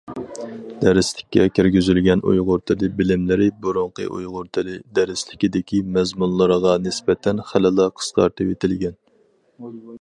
دەرسلىككە كىرگۈزۈلگەن ئۇيغۇر تىلى بىلىملىرى بۇرۇنقى ئۇيغۇر تىلى دەرسلىكىدىكى مەزمۇنلىرىغا نىسبەتەن خېلىلا قىسقارتىۋېتىلگەن.